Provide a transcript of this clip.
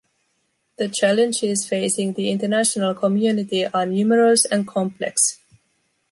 The challenges facing the international community are numerous and complex.